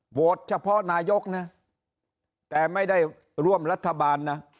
เฉพาะนายกนะแต่ไม่ได้ร่วมรัฐบาลนะ